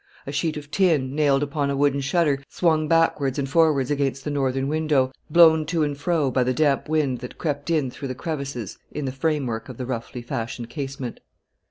A sheet of tin, nailed upon a wooden shutter, swung backwards and forwards against the northern window, blown to and fro by the damp wind that crept in through the crevices in the framework of the roughly fashioned casement.